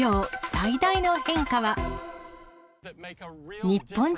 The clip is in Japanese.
最大の変化は？